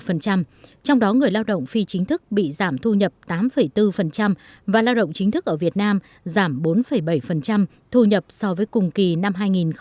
năm hai triệu đồng giảm năm một trong đó người lao động phi chính thức bị giảm thu nhập tám bốn và lao động chính thức ở việt nam giảm bốn bảy thu nhập so với cùng kỳ năm hai nghìn một mươi chín